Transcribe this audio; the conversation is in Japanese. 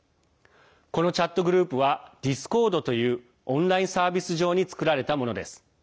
このチャットグループはディスコードというオンラインサービス上に作られたものです。